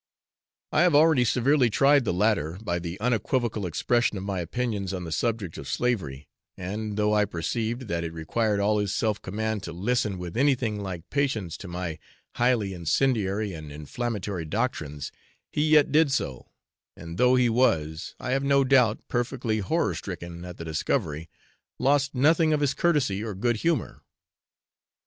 I have already severely tried the latter, by the unequivocal expression of my opinions on the subject of slavery, and, though I perceived that it required all his self command to listen with anything like patience to my highly incendiary and inflammatory doctrines, he yet did so, and though he was, I have no doubt, perfectly horror stricken at the discovery, lost nothing of his courtesy or good humour.